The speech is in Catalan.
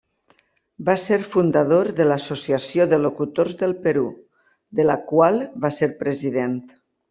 Va ser fundador de l'Associació de Locutors del Perú, de la qual va ser president.